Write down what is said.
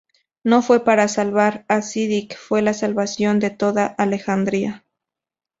No fue para salvar a Siddiq, fue la salvación de toda Alejandría.